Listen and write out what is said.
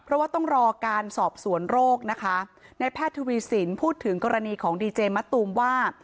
เพราะว่าต้องรอการสอบสวนโรคนะคะในแพทย์ทวีสินพูดถึงกรณีของดีเจมะตูมว่า